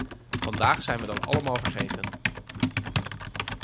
Vandaag zijn we dat allemaal vergeten.